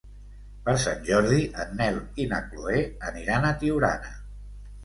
Per Sant Jordi en Nel i na Chloé aniran a Tiurana.